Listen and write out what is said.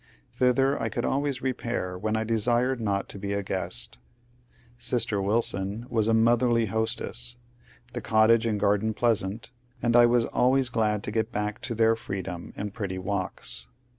Thither I could always repair when I desired not to be a guest. ^^ Sister Wil son " was a motherly hostess, the cottage and garden pleasant, and I was always glad to get back to their freedom and pretty walks.